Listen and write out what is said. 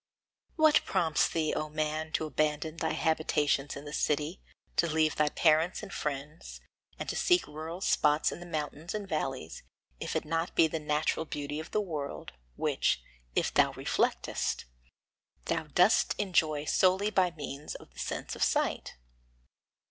What prompts thee, O man, to abandon thy habitations in the city, to leave thy parents and friends, and to seek rural spots in the mountains and valleys, if it be not the natural beauty of the world, which, if thou reflectest, thou dost enjoy solely by means of the sense of sight?